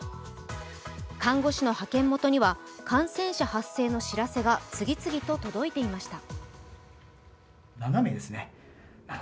看護師の派遣元には感染者発生の知らせが次々と届いていました。